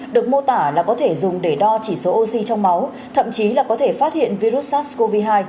được mô tả là có thể dùng để đo chỉ số oxy trong máu thậm chí là có thể phát hiện virus sars cov hai